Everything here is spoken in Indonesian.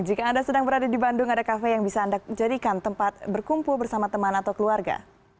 jika anda sedang berada di bandung ada kafe yang bisa anda jadikan tempat berkumpul bersama teman atau keluarga